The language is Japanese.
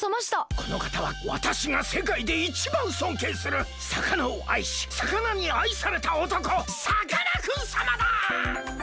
このかたはわたしがせかいでいちばんそんけいするさかなをあいしさかなにあいされたおとこさかなクンさまだ！